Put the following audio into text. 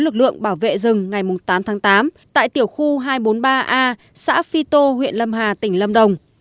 lực lượng bảo vệ rừng ngày tám tháng tám tại tiểu khu hai trăm bốn mươi ba a xã phi tô huyện lâm hà tỉnh lâm đồng